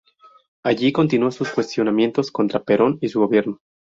Allí continuó sus cuestionamientos contra Perón y su gobierno.